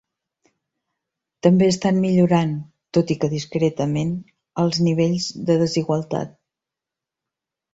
També estan millorant, tot i que discretament, els nivells de desigualtat.